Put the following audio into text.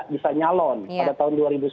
bisa nyalon pada tahun dua ribu sembilan belas